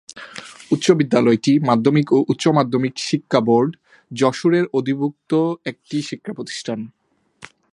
উচ্চ বিদ্যালয়টি মাধ্যমিক ও উচ্চ মাধ্যমিক শিক্ষা বোর্ড, যশোরের অধিভূক্ত একটি শিক্ষাপ্রতিষ্ঠান।